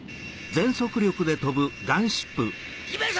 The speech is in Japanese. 姫様！